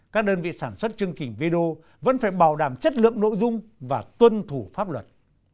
các đơn vị sản xuất chương trình video vẫn phải bảo đảm chất lượng nội dung và tuân thủ pháp luật